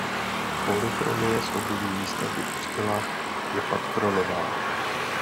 Polychromie z období výstavby kostela je patronová.